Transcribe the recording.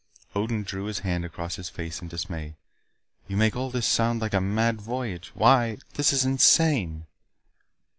Odin drew his hand across his face in dismay. "You make all this sound like a mad voyage. Why, this is insane!"